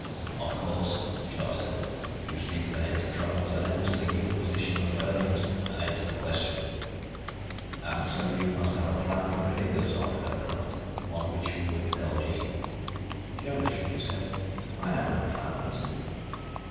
"Of course," Scharpe said. "You speak of an end to troubles, an end to the Inquisition and the burnings, an end to the question. And so you must have a plan for ridding us of Herr Knupf; one which you will tell me." Jonas shook his head. "I have no plan," he said.